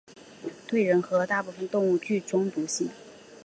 对人和大部分动物具中毒性。